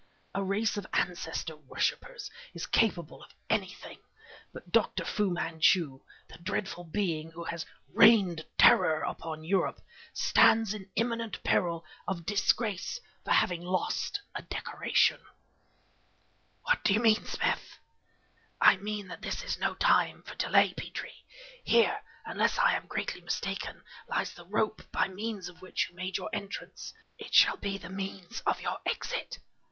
A race of ancestor worshipers is capable of anything, and Dr. Fu Manchu, the dreadful being who has rained terror upon Europe stands in imminent peril of disgrace for having lost a decoration." "What do you mean, Smith?" "I mean that this is no time for delay, Petrie! Here, unless I am greatly mistaken, lies the rope by means of which you made your entrance. It shall be the means of your exit.